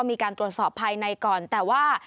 มีการตรวจสอบภายในก่อนแต่ว่า